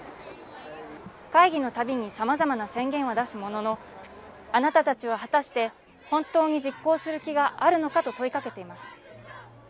会議のたびにさまざまな宣言は出すもののあなたたちは果たして本当に実行する気があるのかと問いかけています。